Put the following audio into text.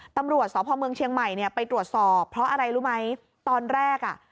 ตำรวจสพเมืองเชียงใหม่เนี่ยไปตรวจสอบเพราะอะไรรู้ไหมตอนแรกอ่ะ